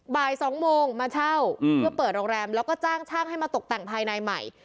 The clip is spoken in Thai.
บ่าย๒โมงมาเช่าเพื่อเปิดโรงแรมแล้วก็จ้างช่างให้มาตกแต่งภายในใหม่